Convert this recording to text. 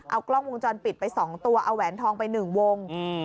เอากล้องวงจรปิดไปสองตัวเอาแหวนทองไปหนึ่งวง